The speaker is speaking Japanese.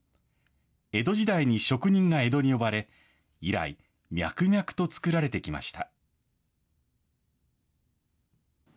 江戸時代に職人が江戸に呼ばれ、以来、脈々と作られてきました。